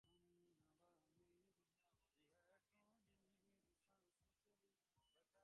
এবার বর্ষা অনেক আগেই এসেছে এবং একটু বেশি সময় ধরে ছিল।